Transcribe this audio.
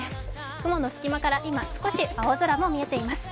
雲の隙間から今、少し青空も見えています。